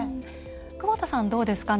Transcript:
久保田さん、どうですか？